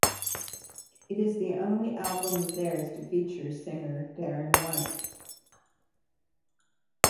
It is the only album of theirs to feature singer Darren White.